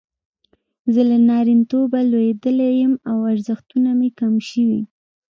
زه له نارینتوبه لویدلی یم او ارزښتونه مې کم شوي.